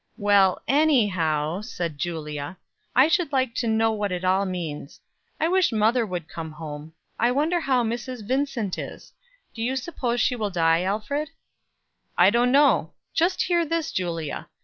"Well, _any_how," said Julia, "I should like to know what it all means. I wish mother would come home. I wonder how Mrs. Vincent is. Do you suppose she will die, Alfred?" "Don't know just hear this, Julia!